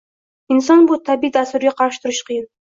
inson bu tabiiy dasturga qarshi turishi qiyin.